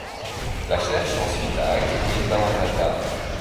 La cherche ensuite à acquérir davantage d'armes.